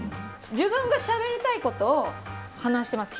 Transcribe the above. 自分が喋りたいことを話してます。